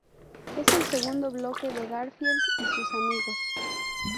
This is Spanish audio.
Es el segundo bloque de Garfield y sus amigos.